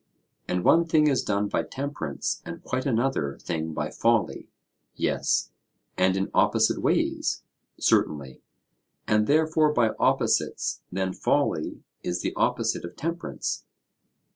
And one thing is done by temperance, and quite another thing by folly? Yes. And in opposite ways? Certainly. And therefore by opposites: then folly is the opposite of temperance?